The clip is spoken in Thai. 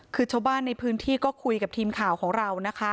คือชาวบ้านในพื้นที่ก็คุยกับทีมข่าวของเรานะคะ